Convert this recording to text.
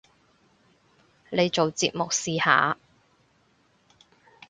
你做節目試下